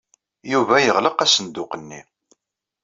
Yuba yeɣleq asenduq-nni.